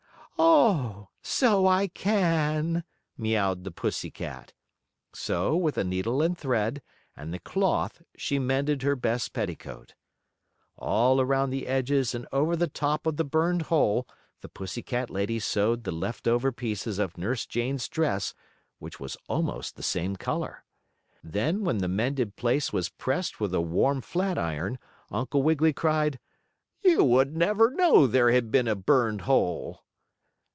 "Oh, so I can," meowed the pussy cat. So, with a needle and thread, and the cloth she mended her best petticoat. All around the edges and over the top of the burned hole the pussy cat lady sewed the left over pieces of Nurse Jane's dress which was almost the same color. Then, when the mended place was pressed with a warm flat iron, Uncle Wiggily cried: "You would never know there had been a burned hole!"